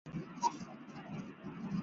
让他知道妳在挑拨离间